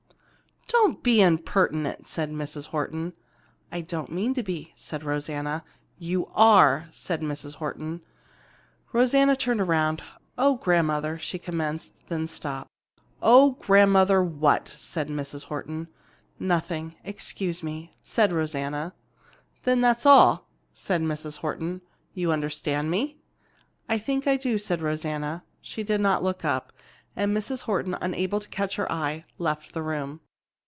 "Don't be impertinent!" said Mrs. Horton. "I don't mean to be," said Rosanna. "You are!" said Mrs. Horton. Rosanna turned around. "Oh, grandmother!" she commenced, then stopped. "Oh, grandmother what?" asked Mrs. Horton. "Nothing. Excuse me," said Rosanna. "Then that's all," said Mrs. Horton. "You understand me?" "I think I do," said Rosanna. She did not look up, and Mrs. Horton, unable to catch her eye, left the room.